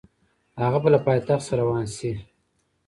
هغه به له پایتخت څخه روان شي.